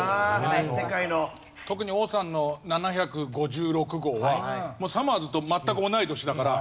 特に王さんの７５６号はさまぁずと全く同い年だから。